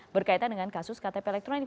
berkaitan dengan kasus ktp elektronik